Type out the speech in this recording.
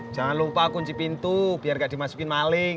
jangan lupa kunci pintu biar gak dimasukin maling